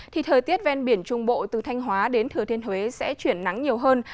thì thời tiết ven biển trung bộ từ thanh hóa đến thừa thiên huế sẽ chuyển nắng nhiều hơn